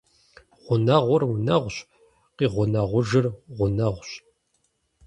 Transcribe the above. Гъунэгъур унэгъущ, къигъунэгъужыр гъунэгъущ.